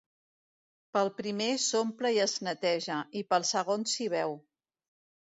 Pel primer s’omple i es neteja, i pel segon s’hi beu.